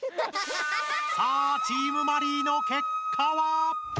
さあチームマリイの結果は！？